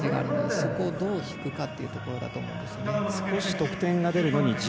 そこをどう引くかっていうところだと思いますね。